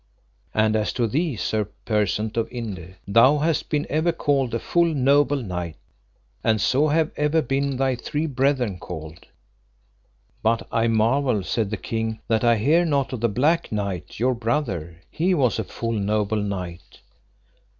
And as to thee, Sir Persant of Inde, thou hast been ever called a full noble knight, and so have ever been thy three brethren called. But I marvel, said the king, that I hear not of the Black Knight your brother, he was a full noble knight.